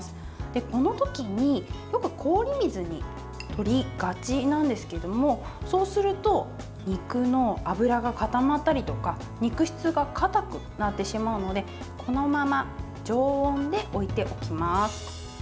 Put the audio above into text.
このときに、よく氷水にとりがちなんですけどそうすると肉の脂が固まったりとか肉質がかたくなってしまうのでこのまま常温で置いておきます。